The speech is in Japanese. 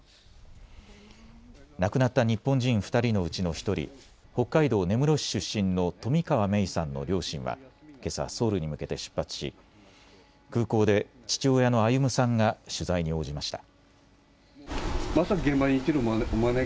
亡くなった日本人２人のうちの１人、北海道根室市出身の冨川芽生さんの両親はけさソウルに向けて出発し空港で父親の歩さんが取材に応じました。